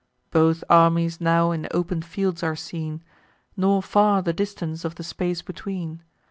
Both armies now in open fields are seen; Nor far the distance of the space between.